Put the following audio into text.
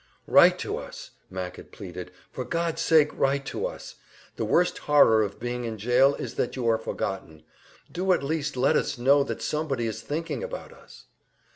"Write to us!" Mac had pleaded. "For God's sake, write to us! The worst horror of being in jail is that you are forgotten. Do at least let us know that somebody is thinking about us!"